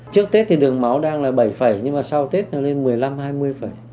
trước tết thì đường máu đang là bảy nhưng mà sau tết nó lên một mươi năm hai mươi